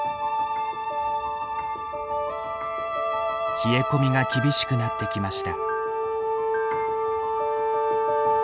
冷え込みが厳しくなってきました。